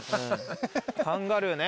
カンガルーね。